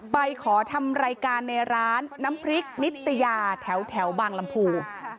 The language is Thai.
ไปขอทำรายการในร้านน้ำพริกนิตยาแถวบางลำพู